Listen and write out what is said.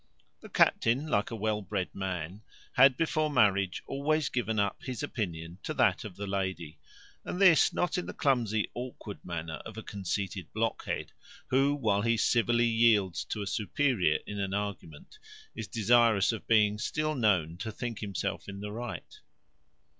The captain, like a well bred man, had, before marriage, always given up his opinion to that of the lady; and this, not in the clumsy awkward manner of a conceited blockhead, who, while he civilly yields to a superior in an argument, is desirous of being still known to think himself in the right.